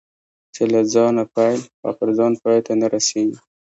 چې له ځانه پیل او پر ځان پای ته نه رسېږي.